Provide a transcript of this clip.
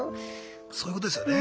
そういうことですよね。